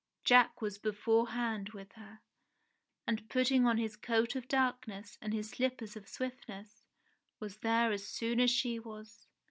Jack was beforehand with her, and putting on his coat of darkness and his slippers of swiftness, was there as soon as she was.